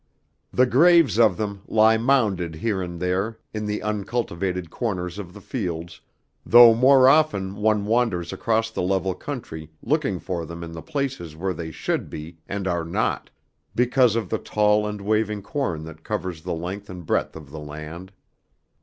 The graves of them lie mounded here and there in the uncultivated corners of the fields, though more often one wanders across the level country, looking for them in the places where they should be and are not, because of the tall and waving corn that covers the length and breadth of the land.